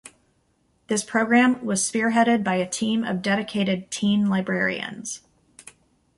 This program was spearheaded by a team of dedicated teen librarians.